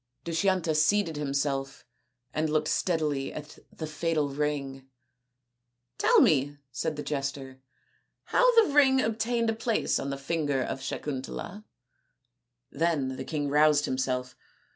Dushyanta seated himself and looked steadily at the fatal ring. " Tell me," said the jester, " how the ring obtained a place on the finger of Sakuntala." Then the king roused himself.